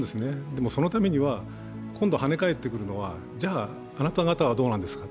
でも、そのためには今度跳ね返ってくるのは、じゃあ、あなた方はどうなんですか？